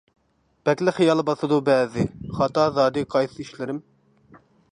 بەكلا خىيال باسىدۇ بەزى، خاتا زادى قايسى ئىشلىرىم.